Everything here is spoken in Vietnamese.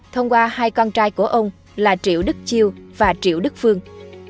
thông qua hai con trai của ông là triệu đức chiêu và triệu đức phương